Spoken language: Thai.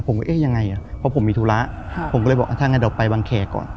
ว่าเอ๊ะยังไงเพราะผมมีธุระผมก็เลยบอกถ้างั้นเดี๋ยวไปบังแคร์ก่อน